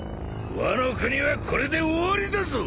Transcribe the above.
ワノ国はこれで終わりだぞ！